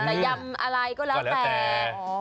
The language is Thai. แต่ยำอะไรก็แล้วแต่